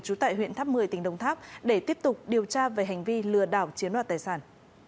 trú tại huyện tháp một mươi tỉnh đồng tháp để tiếp tục điều tra về hành vi lừa đảo chiếm đoạt tài sản